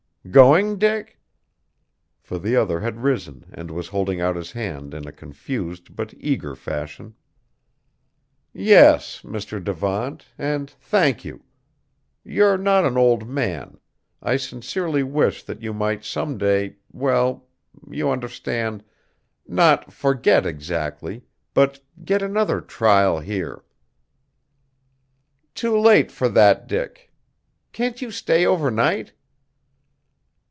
Going, Dick?" For the other had risen and was holding out his hand in a confused but eager fashion. "Yes, Mr. Devant, and thank you! You're not an old man, I sincerely wish that you might some day, well, you understand not forget exactly, but get another trial here!" "Too late for that, Dick. Can't you stay over night?"